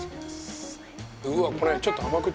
うわこれちょっと甘口。